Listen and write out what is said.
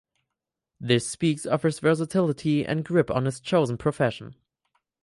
This speaks of his versatility and grip on his chosen profession.